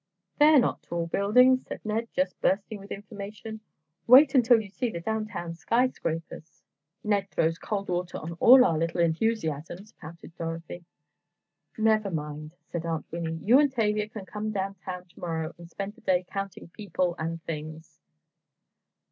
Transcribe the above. "They're not tall buildings," said Ned, just bursting with information. "Wait until you see the downtown skyscrapers!" "Ned throws cold water on all our little enthusiasms," pouted Dorothy. "Never mind," said Aunt Winnie, "you and Tavia can come down town to morrow and spend the day counting people and things."